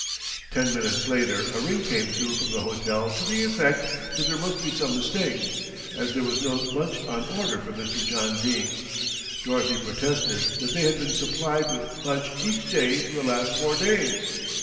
Ten minutes later a ring came through from the hotel to the effect that there must be some mistake, as there was no lunch on order for Mr. John Dene. Dorothy protested that they had been supplied with lunch each day for the last four days.